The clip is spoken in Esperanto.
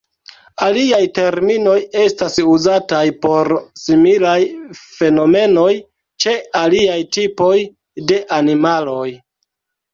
Aliaj terminoj estas uzataj por similaj fenomenoj ĉe aliaj tipoj de animaloj.